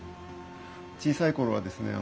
小さい頃はですね